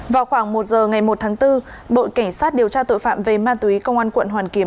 vào khoảng một giờ ngày một tháng bốn đội cảnh sát điều tra tội phạm về ma túy công an quận hoàn kiếm